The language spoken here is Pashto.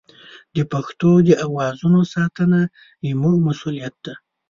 د پښتو د اوازونو ساتنه زموږ مسوولیت دی.